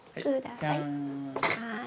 はい。